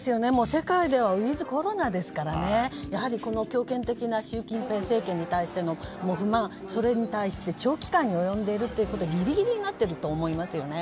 世界ではウィズコロナですから強権的な習近平政権に対しての不満それに対して長期間に及んでいるのでぎりぎりになっていると思いますよね。